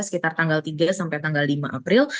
sekitar tanggal tiga sampai tanggal lima april